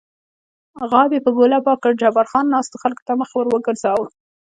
غاب یې په ګوله پاک کړ، جبار خان ناستو خلکو ته مخ ور وګرځاوه.